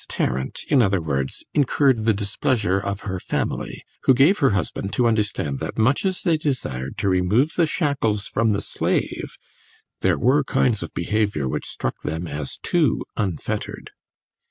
Tarrant, in other words, incurred the displeasure of her family, who gave her husband to understand that, much as they desired to remove the shackles from the slave, there were kinds of behaviour which struck them as too unfettered.